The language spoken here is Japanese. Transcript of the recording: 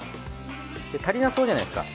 で足りなそうじゃないですか。